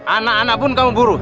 anak anak pun kamu buru